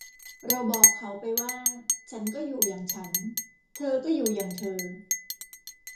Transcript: เราบอกเขาไปว่า ฉันก็อยู่อย่างฉัน เธอก็อยู่อย่างเธอ